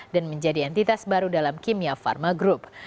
dan menjadi entitas baru dalam kimia pharma group